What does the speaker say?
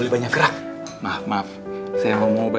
lepas itu aku akan mencoba